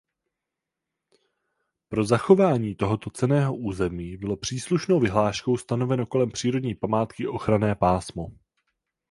Pro zachování tohoto cenného území bylo příslušnou vyhláškou stanoveno kolem přírodní památky ochranné pásmo.